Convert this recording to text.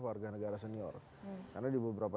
warga negara senior karena di beberapa